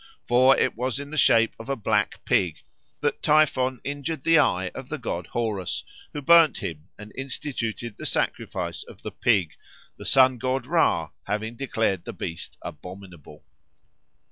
For it was in the shape of a black pig that Typhon injured the eye of the god Horus, who burned him and instituted the sacrifice of the pig, the sun god Ra having declared the beast abominable.